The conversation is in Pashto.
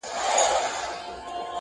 یوه برخه د پرون له رشوتونو!.